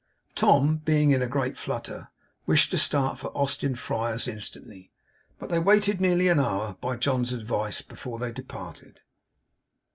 Tom, being in a great flutter, wished to start for Austin Friars instantly, but they waited nearly an hour, by John's advice, before they departed.